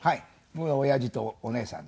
僕のおやじとお姉さんですね。